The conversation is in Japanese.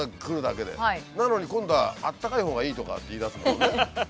なのに今度はあったかいほうがいいとかって言いだすんだもんね。